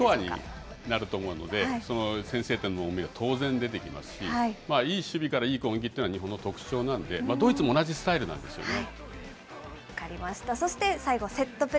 ロースコアになると思うので、先制点の重み、当然出てくると思いますし、いい守備からいい攻撃というのが、日本の特徴なんで、ドイツも同じスタイルなんですよね。